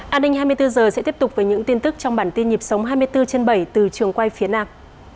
an ninh hai mươi bốn h sẽ tiếp tục với những tin tức trong bản tin nhịp sống hai mươi bốn trên bảy từ trường quay phía nam